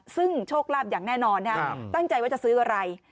ซึ่งโชคลาภอย่างแน่นอนตั้งใจว่าจะซื้ออะไร